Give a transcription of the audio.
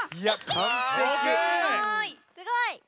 すごい！